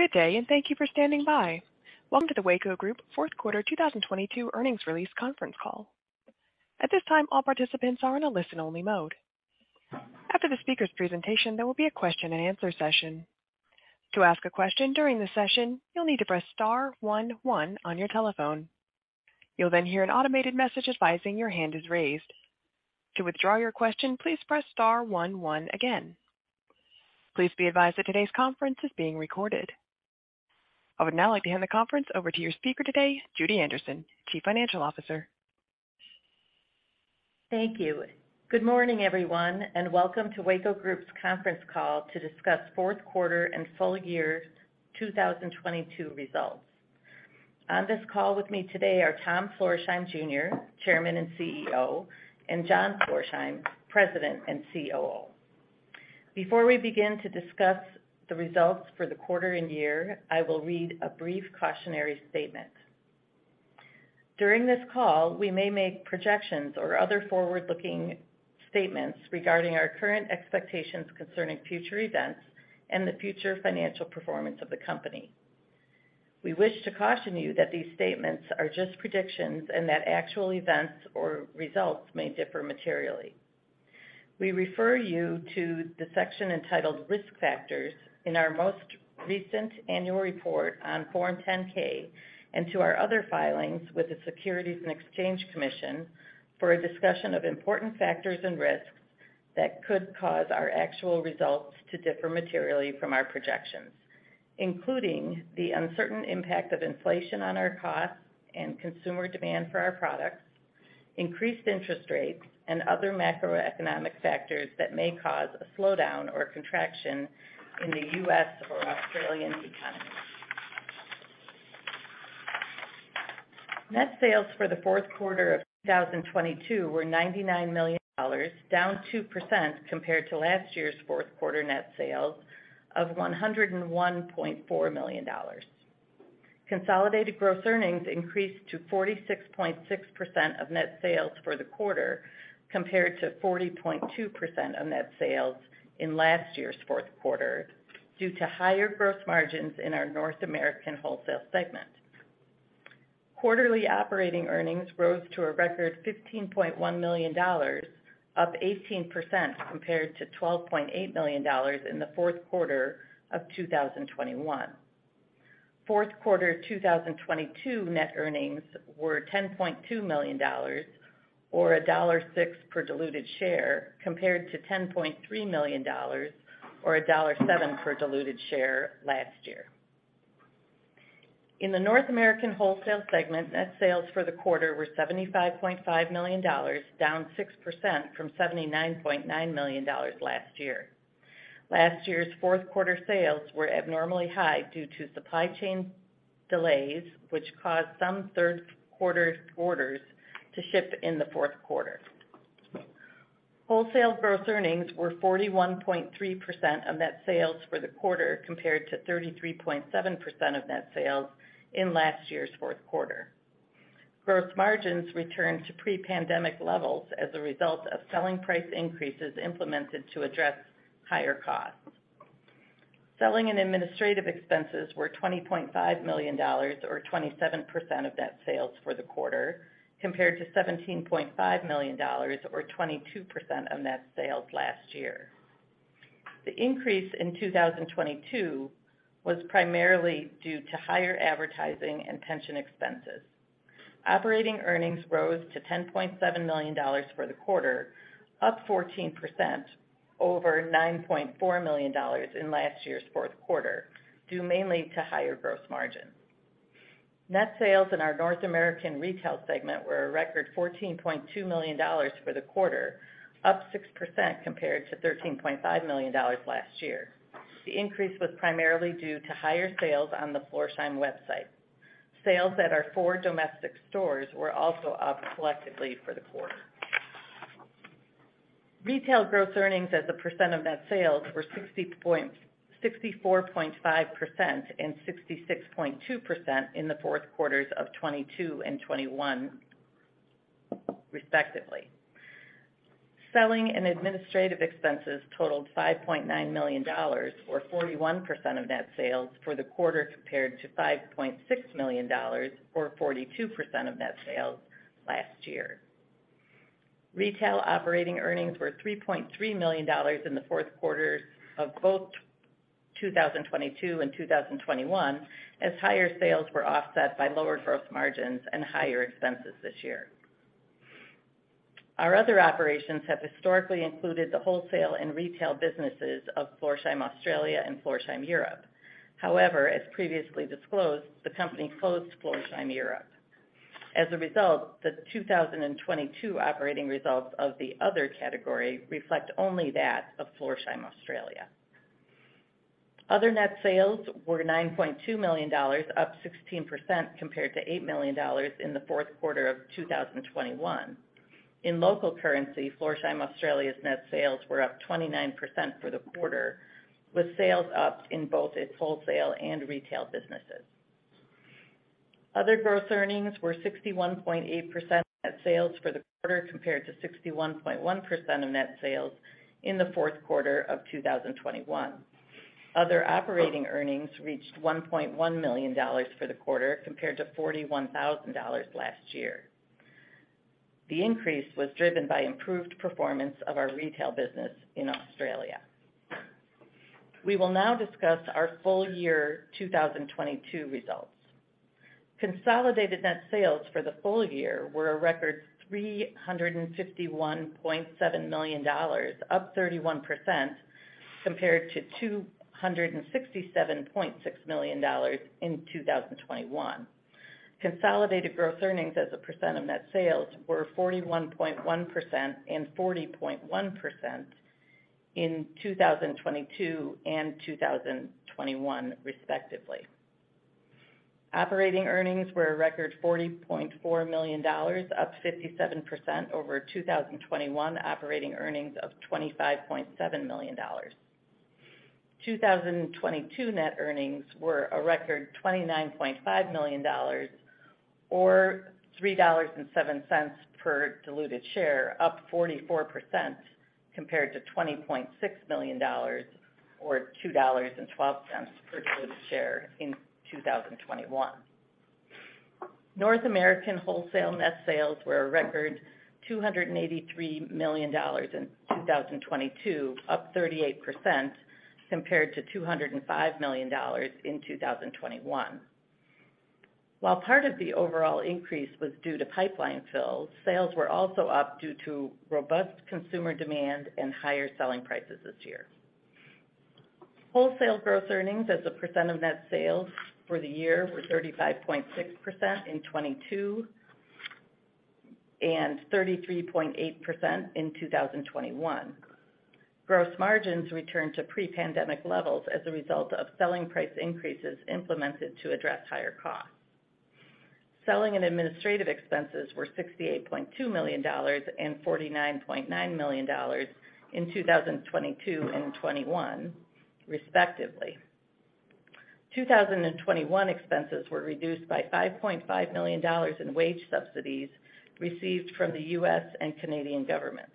Good day, thank you for standing by. Welcome to the Weyco Group fourth quarter 2022 earnings release conference call. At this time, all participants are in a listen-only mode. After the speaker's presentation, there will be a question-and-answer session. To ask a question during the session, you'll need to press star one one on your telephone. You'll then hear an automated message advising your hand is raised. To withdraw your question, please press star one one again. Please be advised that today's conference is being recorded. I would now like to hand the conference over to your speaker today, Judy Anderson, Chief Financial Officer. Thank you. Good morning, everyone, and welcome to Weyco Group's conference call to discuss fourth quarter and full year 2022 results. On this call with me today are Tom Florsheim, Jr., Chairman and CEO, and John Florsheim, President and COO. Before we begin to discuss the results for the quarter and year, I will read a brief cautionary statement. During this call, we may make projections or other forward-looking statements regarding our current expectations concerning future events and the future financial performance of the company. We wish to caution you that these statements are just predictions, and that actual events or results may differ materially. We refer you to the section entitled Risk Factors in our most recent annual report on Form 10-K and to our other filings with the Securities and Exchange Commission for a discussion of important factors and risks that could cause our actual results to differ materially from our projections, including the uncertain impact of inflation on our costs and consumer demand for our products, increased interest rates, and other macroeconomic factors that may cause a slowdown or contraction in the U.S. or Australian economy. Net sales for the fourth quarter of 2022 were $99 million, down 2% compared to last year's fourth quarter net sales of $101.4 million. Consolidated gross earnings increased to 46.6% of net sales for the quarter compared to 40.2% of net sales in last year's fourth quarter due to higher gross margins in our North American wholesale segment. Quarterly operating earnings rose to a record $15.1 million, up 18% compared to $12.8 million in the fourth quarter of 2021. Fourth quarter 2022 net earnings were $10.2 million or $1.06 per diluted share, compared to $10.3 million or $1.07 per diluted share last year. In the North American wholesale segment, net sales for the quarter were $75.5 million, down 6% from $79.9 million last year. Last year's fourth quarter sales were abnormally high due to supply chain delays, which caused some third quarter orders to ship in the fourth quarter. Wholesale gross earnings were 41.3% of net sales for the quarter, compared to 33.7% of net sales in last year's fourth quarter. Gross margins returned to pre-pandemic levels as a result of selling price increases implemented to address higher costs. Selling and administrative expenses were $20.5 million, or 27% of net sales for the quarter, compared to $17.5 million or 22% of net sales last year. The increase in 2022 was primarily due to higher advertising and pension expenses. Operating earnings rose to $10.7 million for the quarter, up 14% over $9.4 million in last year's fourth quarter, due mainly to higher gross margins. Net sales in our North American retail segment were a record $14.2 million for the quarter, up 6% compared to $13.5 million last year. The increase was primarily due to higher sales on the Florsheim website. Sales at our four domestic stores were also up collectively for the quarter. Retail gross earnings as a percent of net sales were 64.5% and 66.2% in the fourth quarters of 2022 and 2021, respectively. Selling and administrative expenses totaled $5.9 million, or 41% of net sales for the quarter, compared to $5.6 million, or 42% of net sales last year. Retail operating earnings were $3.3 million in the fourth quarters of both 2022 and 2021, as higher sales were offset by lower gross margins and higher expenses this year. Our other operations have historically included the wholesale and retail businesses of Florsheim Australia and Florsheim Europe. As previously disclosed, the company closed Florsheim Europe. The 2022 operating results of the other category reflect only that of Florsheim Australia. Other net sales were $9.2 million, up 16% compared to $8 million in the fourth quarter of 2021. In local currency, Florsheim Australia's net sales were up 29% for the quarter, with sales up in both its wholesale and retail businesses. Other gross earnings were 61.8% net sales for the quarter compared to 61.1% of net sales in the fourth quarter of 2021. Other operating earnings reached $1.1 million for the quarter, compared to $41,000 last year. The increase was driven by improved performance of our retail business in Australia. We will now discuss our full year 2022 results. Consolidated net sales for the full year were a record $351.7 million, up 31% compared to $267.6 million in 2021. Consolidated gross earnings as a percent of net sales were 41.1% and 40.1% in 2022 and 2021 respectively. Operating earnings were a record $40.4 million, up 57% over 2021 operating earnings of $25.7 million. 2022 net earnings were a record $29.5 million or $3.07 per diluted share, up 44% compared to $20.6 million or $2.12 per diluted share in 2021. North American wholesale net sales were a record $283 million in 2022, up 38% compared to $205 million in 2021. While part of the overall increase was due to pipeline fills, sales were also up due to robust consumer demand and higher selling prices this year. Wholesale gross earnings as a percent of net sales for the year were 35.6% in 2022 and 33.8% in 2021. Gross margins returned to pre-pandemic levels as a result of selling price increases implemented to address higher costs. Selling and administrative expenses were $68.2 million and $49.9 million in 2022 and 2021 respectively. 2021 expenses were reduced by $5.5 million in wage subsidies received from the U.S. and Canadian governments.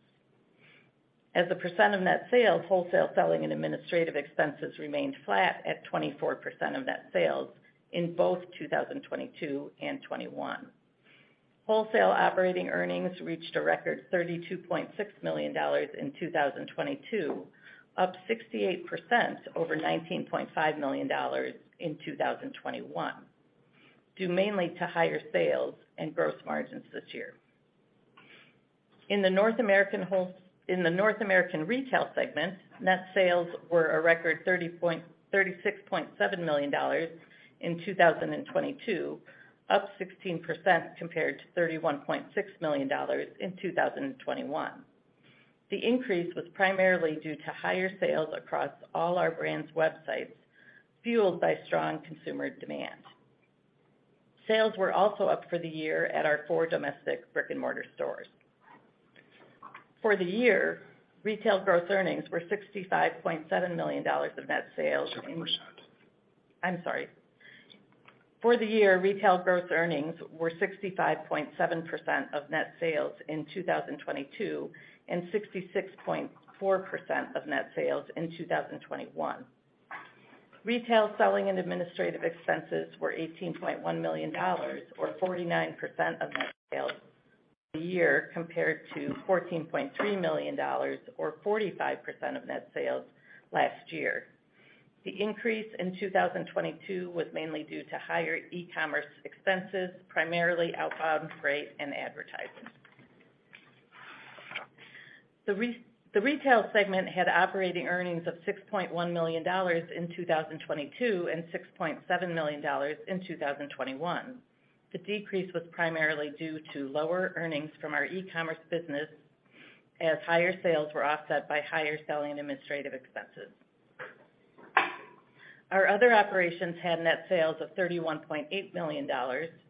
As a percent of net sales, wholesale selling and administrative expenses remained flat at 24% of net sales in both 2022 and 2021. Wholesale operating earnings reached a record $32.6 million in 2022, up 68% over $19.5 million in 2021, due mainly to higher sales and gross margins this year. In the North American retail segment, net sales were a record $36.7 million in 2022, up 16% compared to $31.6 million in 2021. The increase was primarily due to higher sales across all our brands' websites, fueled by strong consumer demand. Sales were also up for the year at our four domestic brick-and-mortar stores. For the year, retail gross earnings were $65.7 million of net sales in. 7%. I'm sorry. For the year, retail gross earnings were 65.7% of net sales in 2022 and 66.4% of net sales in 2021. Retail selling and administrative expenses were $18.1 million or 49% of net sales a year, compared to $14.3 million or 45% of net sales last year. The increase in 2022 was mainly due to higher e-commerce expenses, primarily outbound freight and advertising. The retail segment had operating earnings of $6.1 million in 2022 and $6.7 million in 2021. The decrease was primarily due to lower earnings from our e-commerce business as higher sales were offset by higher selling administrative expenses. Our other operations had net sales of $31.8 million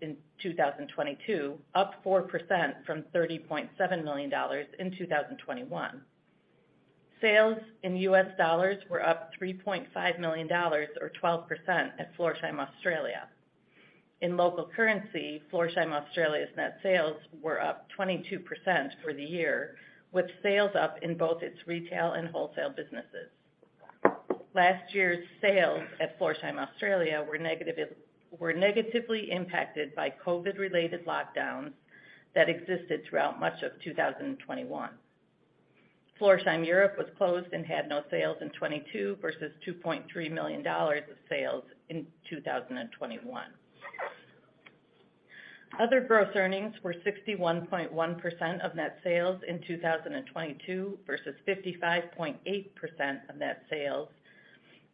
in 2022, up 4% from $30.7 million in 2021. Sales in US dollars were up $3.5 million or 12% at Florsheim Australia. In local currency, Florsheim Australia's net sales were up 22% for the year, with sales up in both its retail and wholesale businesses. Last year's sales at Florsheim Australia were negatively impacted by COVID-related lockdowns that existed throughout much of 2021. Florsheim Europe was closed and had no sales in 2022 versus $2.3 million of sales in 2021. Other gross earnings were 61.1% of net sales in 2022 versus 55.8% of net sales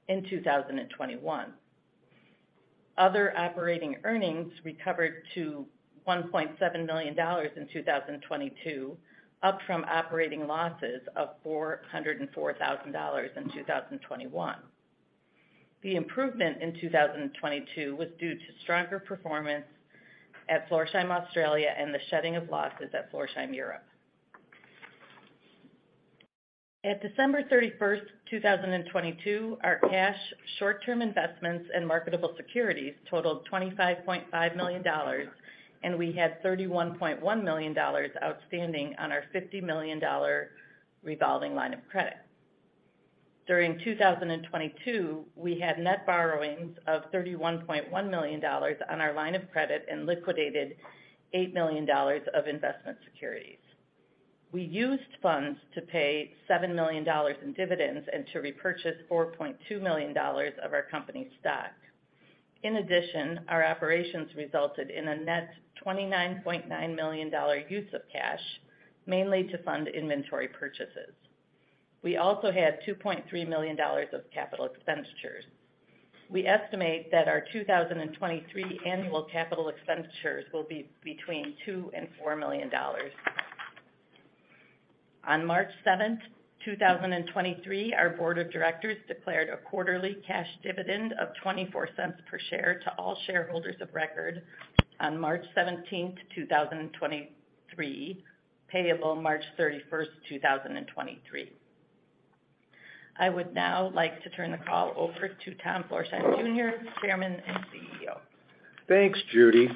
in 2021. Other operating earnings recovered to $1.7 million in 2022, up from operating losses of $404,000 in 2021. The improvement in 2022 was due to stronger performance at Florsheim Australia and the shedding of losses at Florsheim Europe. At December 31st, 2022, our cash short-term investments and marketable securities totaled $25.5 million, and we had $31.1 million outstanding on our $50 million revolving line of credit. During 2022, we had net borrowings of $31.1 million on our line of credit and liquidated $8 million of investment securities. We used funds to pay $7 million in dividends and to repurchase $4.2 million of our company's stock. In addition, our operations resulted in a net $29.9 million use of cash, mainly to fund inventory purchases. We also had $2.3 million of capital expenditures. We estimate that our 2023 annual capital expenditures will be between $2 million and $4 million. On March 7th, 2023, our board of directors declared a quarterly cash dividend of $0.24 per share to all shareholders of record on March 17th, 2023, payable March 31st, 2023. I would now like to turn the call over to Tom Florsheim, Jr., Chairman and CEO. Thanks, Judy,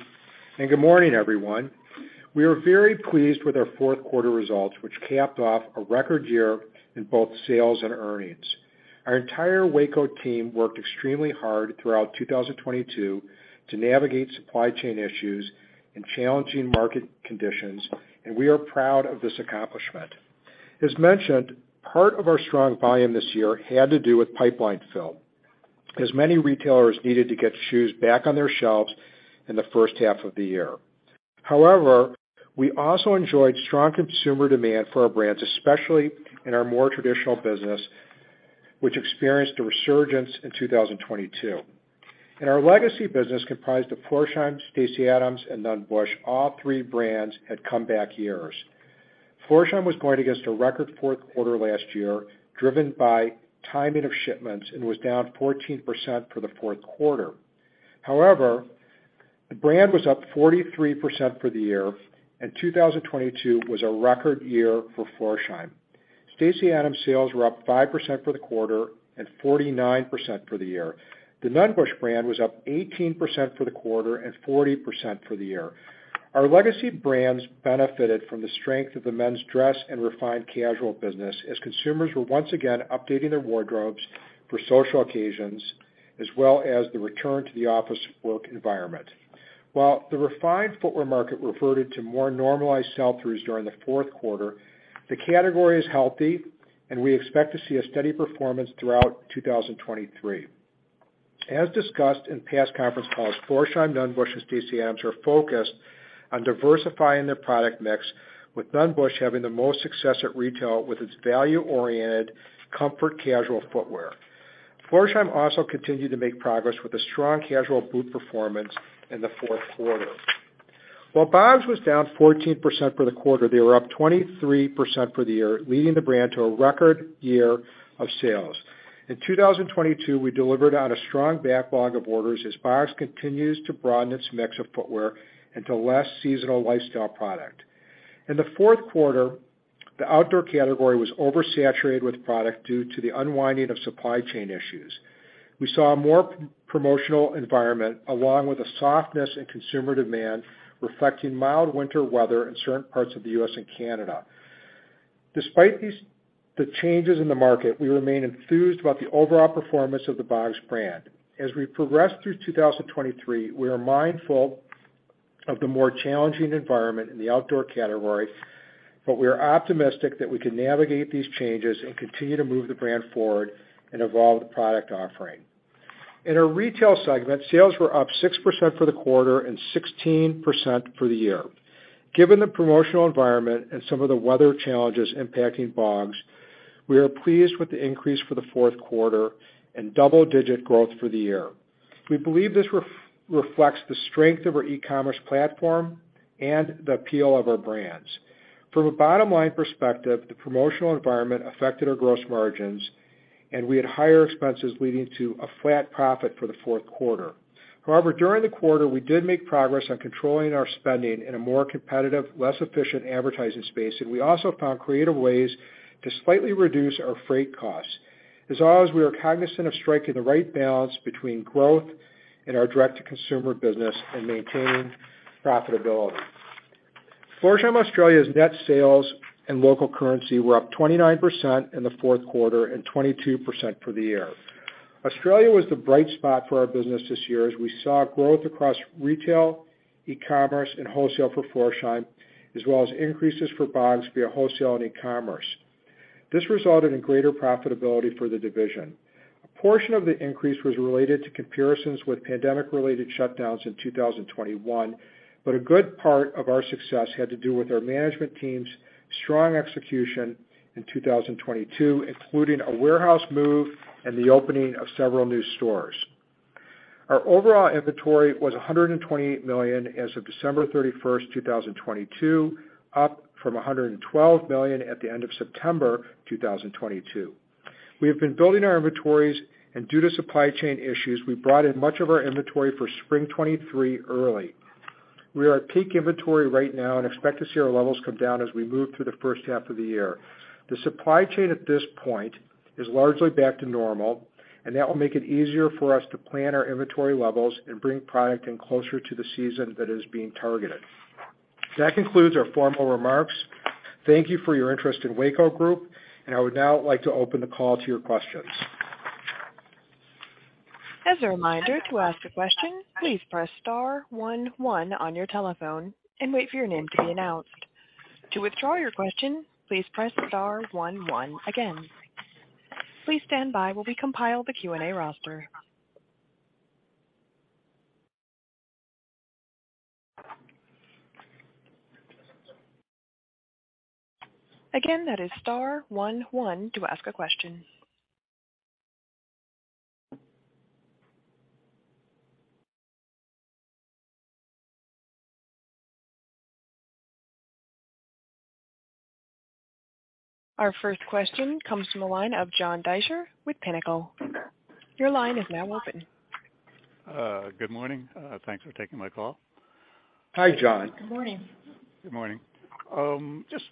and good morning, everyone. We are very pleased with our fourth quarter results, which capped off a record year in both sales and earnings. Our entire Weyco team worked extremely hard throughout 2022 to navigate supply chain issues and challenging market conditions, and we are proud of this accomplishment. As mentioned, part of our strong volume this year had to do with pipeline fill, as many retailers needed to get shoes back on their shelves in the first half of the year. However, we also enjoyed strong consumer demand for our brands, especially in our more traditional business, which experienced a resurgence in 2022. In our legacy business comprised of Florsheim, Stacy Adams, and Nunn Bush, all three brands had comeback years. Florsheim was going against a record fourth quarter last year driven by timing of shipments and was down 14% for the fourth quarter. The brand was up 43% for the year, and 2022 was a record year for Florsheim. Stacy Adams sales were up 5% for the quarter and 49% for the year. The Nunn Bush brand was up 18% for the quarter and 40% for the year. Our legacy brands benefited from the strength of the men's dress and refined casual business as consumers were once again updating their wardrobes for social occasions as well as the return to the office work environment. While the refined footwear market reverted to more normalized sell-throughs during the fourth quarter, the category is healthy, and we expect to see a steady performance throughout 2023. As discussed in past conference calls, Florsheim, Nunn Bush, and Stacy Adams are focused on diversifying their product mix, with Nunn Bush having the most success at retail with its value-oriented comfort casual footwear. Florsheim also continued to make progress with a strong casual boot performance in the fourth quarter. While BOGS was down 14% for the quarter, they were up 23% for the year, leading the brand to a record year of sales. In 2022, we delivered on a strong backlog of orders as BOGS continues to broaden its mix of footwear into less seasonal lifestyle product. In the fourth quarter, the outdoor category was oversaturated with product due to the unwinding of supply chain issues. We saw a more promotional environment along with a softness in consumer demand, reflecting mild winter weather in certain parts of the U.S. and Canada. Despite the changes in the market, we remain enthused about the overall performance of the BOGS brand. As we progress through 2023, we are mindful of the more challenging environment in the outdoor category, We are optimistic that we can navigate these changes and continue to move the brand forward and evolve the product offering. In our retail segment, sales were up 6% for the quarter and 16% for the year. Given the promotional environment and some of the weather challenges impacting BOGS, we are pleased with the increase for the fourth quarter and double-digit growth for the year. We believe this reflects the strength of our e-commerce platform and the appeal of our brands. From a bottom-line perspective, the promotional environment affected our gross margins, and we had higher expenses leading to a flat profit for the fourth quarter. However, during the quarter, we did make progress on controlling our spending in a more competitive, less efficient advertising space, and we also found creative ways to slightly reduce our freight costs. As always, we are cognizant of striking the right balance between growth in our direct-to-consumer business and maintaining profitability. Florsheim Australia's net sales and local currency were up 29% in the fourth quarter and 22% for the year. Australia was the bright spot for our business this year as we saw growth across retail, e-commerce, and wholesale for Florsheim, as well as increases for BOGS via wholesale and e-commerce. This resulted in greater profitability for the division. A portion of the increase was related to comparisons with pandemic-related shutdowns in 2021, but a good part of our success had to do with our management team's strong execution in 2022, including a warehouse move and the opening of several new stores. Our overall inventory was $128 million as of December 31st, 2022, up from $112 million at the end of September 2022. We have been building our inventories, and due to supply chain issues, we brought in much of our inventory for spring 2023 early. We are at peak inventory right now and expect to see our levels come down as we move through the first half of the year. The supply chain at this point is largely back to normal. That will make it easier for us to plan our inventory levels and bring product in closer to the season that is being targeted. That concludes our formal remarks. Thank you for your interest in Weyco Group. I would now like to open the call to your questions. As a reminder, to ask a question, please press star one one on your telephone and wait for your name to be announced. To withdraw your question, please press star one one again. Please stand by while we compile the Q&A roster. Again, that is star one one to ask a question. Our first question comes from the line of John Deysher with Pinnacle. Your line is now open. Good morning. Thanks for taking my call. Hi, John. Good morning. Good morning. Just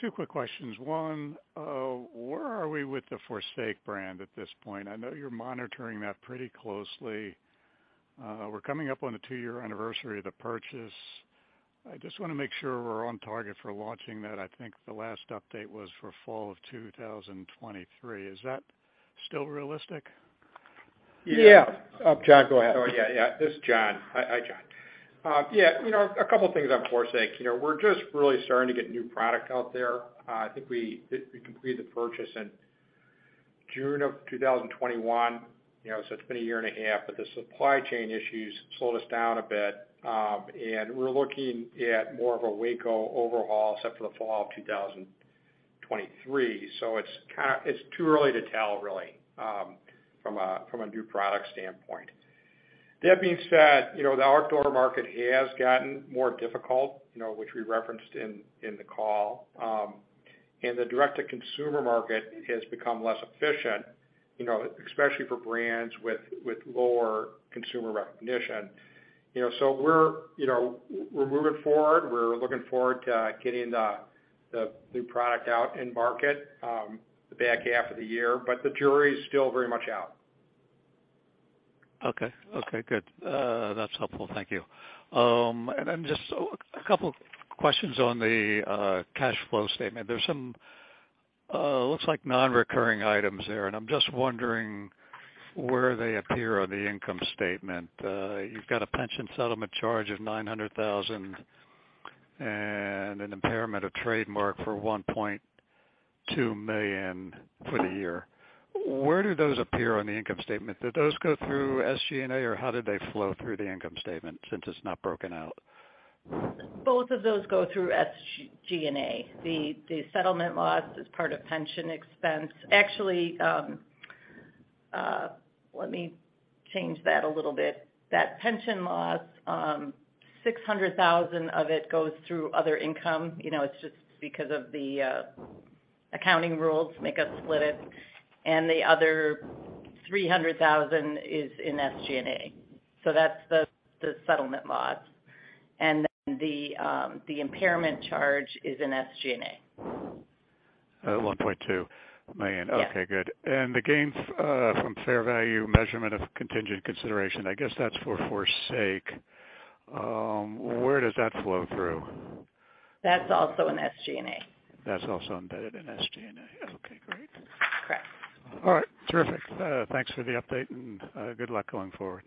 two quick questions. One, where are we with the Forsake brand at this point? I know you're monitoring that pretty closely. We're coming up on the two-year anniversary of the purchase. I just wanna make sure we're on target for launching that. I think the last update was for fall of 2023. Is that still realistic? John, go ahead. Yeah, yeah. This is John. Hi. Hi, John. You know, a couple things on Forsake. You know, we're just really starting to get new product out there. I think we completed the purchase in June 2021, you know, so it's been a year and a half, but the supply chain issues slowed us down a bit. We're looking at more of a Weyco overhaul set for the fall of 2023. It's too early to tell, really, from a new product standpoint. That being said, you know, the outdoor market has gotten more difficult, you know, which we referenced in the call. The direct-to-consumer market has become less efficient, you know, especially for brands with lower consumer recognition. You know, we're, you know, we're moving forward. We're looking forward to getting the new product out in market, the back half of the year, but the jury is still very much out. Okay. Okay, good. That's helpful. Thank you. Just a couple questions on the cash flow statement. There's some looks like non-recurring items there, and I'm just wondering where they appear on the income statement. You've got a pension settlement charge of $900,000 and an impairment of trademark for $1.2 million for the year. Where do those appear on the income statement? Do those go through SG&A or how do they flow through the income statement since it's not broken out? Both of those go through SG&A. The settlement loss is part of pension expense. Actually, let me change that a little bit. That pension loss, $600,000 of it goes through other income. You know, it's just because of the accounting rules make us split it, and the other $300,000 is in SG&A. That's the settlement loss. The impairment charge is in SG&A. $1.2 million. Yes. Okay, good. The gains, from fair value measurement of contingent consideration, I guess that's for Forsake. Where does that flow through? That's also in SG&A. That's also embedded in SG&A. Okay, great. Correct. All right. Terrific. Thanks for the update, and good luck going forward.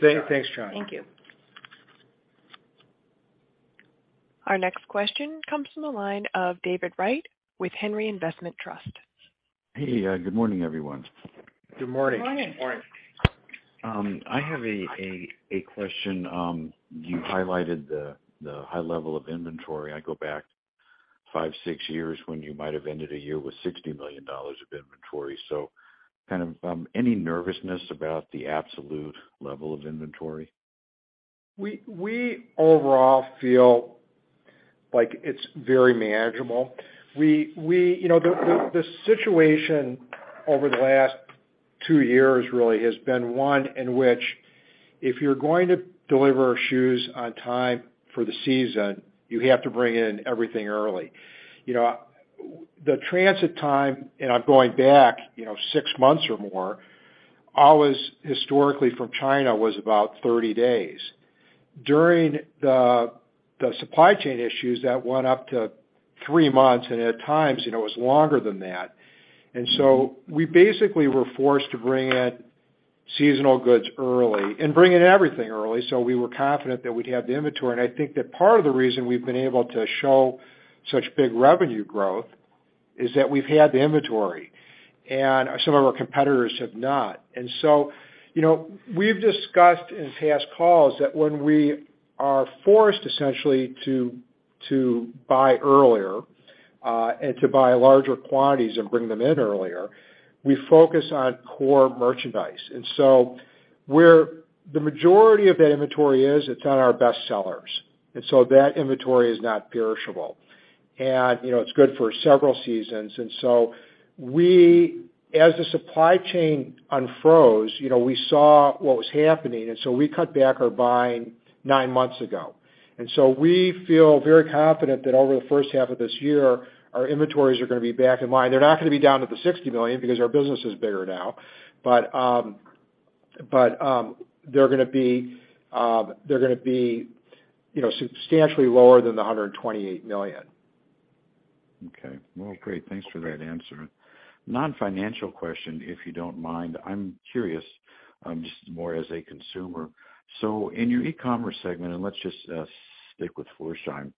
Thanks, John. Thank you. Our next question comes from the line of David Wright with Henry Investment Trust. Hey, good morning, everyone. Good morning. Good morning. Morning. I have a question. You highlighted the high level of inventory. I go back five, six years when you might have ended a year with $60 million of inventory. Kind of, any nervousness about the absolute level of inventory? We overall feel like it's very manageable. We. You know, the situation over the last two years really has been one in which if you're going to deliver shoes on time for the season, you have to bring in everything early. You know, the transit time, and I'm going back, you know, six months or more, always historically from China was about 30 days. During the supply chain issues, that went up to three months, and at times, you know, it was longer than that. We basically were forced to bring in seasonal goods early and bring in everything early, so we were confident that we'd have the inventory. I think that part of the reason we've been able to show such big revenue growth is that we've had the inventory, and some of our competitors have not. You know, we've discussed in past calls that when we are forced essentially to buy earlier and to buy larger quantities and bring them in earlier, we focus on core merchandise. Where the majority of that inventory is, it's on our best sellers. That inventory is not perishable. You know, it's good for several seasons. As the supply chain unfroze, you know, we saw what was happening, we cut back our buying nine months ago. We feel very confident that over the first half of this year, our inventories are gonna be back in line. They're not gonna be down to the $60 million because our business is bigger now. They're gonna be, you know, substantially lower than the $128 million. Well, great. Thanks for that answer. Non-financial question, if you don't mind. I'm curious, just more as a consumer. In your e-commerce segment, and let's just stick with Florsheim,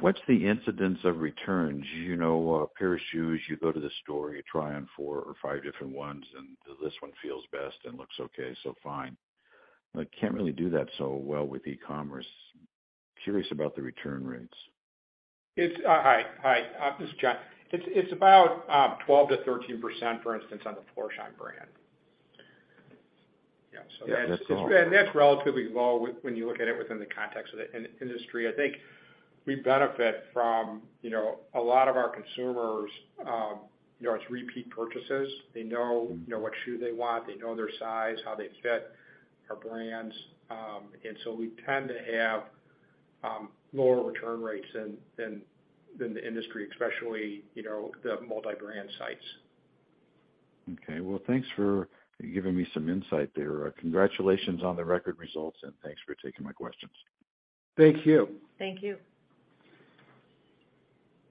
what's the incidence of returns? You know, a pair of shoes, you go to the store, you try on four or five different ones, and this one feels best and looks okay, so fine. Can't really do that so well with e-commerce. Curious about the return rates? Hi, this is John. It's about 12%-13%, for instance, on the Florsheim brand. Yeah. That's all. That's relatively low when you look at it within the context of the industry. I think we benefit from, you know, a lot of our consumers, you know, it's repeat purchases. They know, you know, what shoe they want, they know their size, how they fit our brands. We tend to have lower return rates than the industry, especially, you know, the multi-brand sites. Okay. Well, thanks for giving me some insight there. Congratulations on the record results, and thanks for taking my questions. Thank you. Thank you.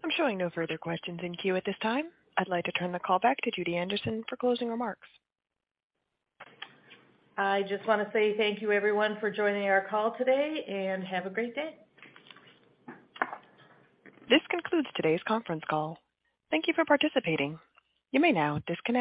I'm showing no further questions in queue at this time. I'd like to turn the call back to Judy Anderson for closing remarks. I just wanna say thank you, everyone, for joining our call today. Have a great day. This concludes today's conference call. Thank you for participating. You may now disconnect.